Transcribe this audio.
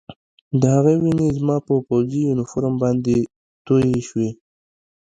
د هغه وینې زما په پوځي یونیفورم باندې تویې شوې